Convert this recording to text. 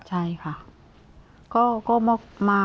ใช่ค่ะ